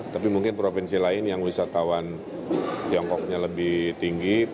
tapi mungkin provinsi lain yang wisatawan tiongkoknya lebih tinggi